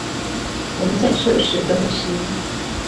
我們在收拾東西